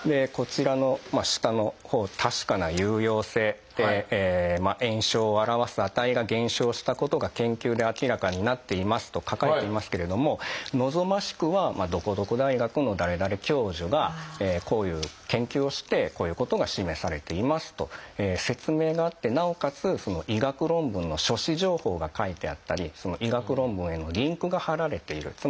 こちらの下のほう「確かな有用性」って「炎症を表す値が減少したことが研究で明らかになっています」と書かれていますけれども望ましくは「どこどこ大学の誰々教授がこういう研究をしてこういうことが示されています」と説明があってなおかつ医学論文の書誌情報が書いてあったり医学論文へのリンクが貼られている。